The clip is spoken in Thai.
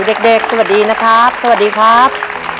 เด็กสวัสดีนะครับสวัสดีครับ